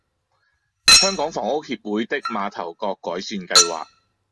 香港房屋協會的馬頭角改善計劃